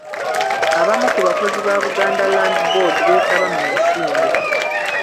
Abamu ku bakozi ba Buganda Land Board beetaba mu misinde.